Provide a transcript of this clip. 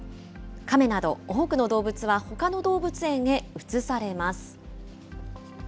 カメなど、多くの動物はほかの動物園へ移されます。